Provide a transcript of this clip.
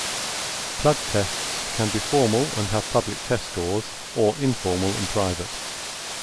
Plugtests can be formal and have public test scores or informal and private.